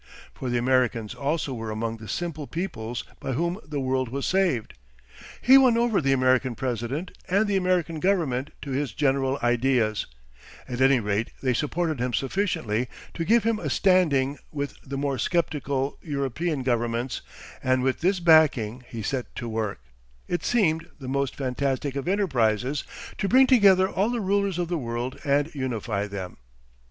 For the Americans also were among the simple peoples by whom the world was saved. He won over the American president and the American government to his general ideas; at any rate they supported him sufficiently to give him a standing with the more sceptical European governments, and with this backing he set to work—it seemed the most fantastic of enterprises—to bring together all the rulers of the world and unify them.